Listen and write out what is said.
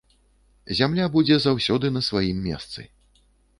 Зямля будзе заўсёды на сваім месцы.